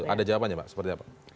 ada jawabannya pak seperti apa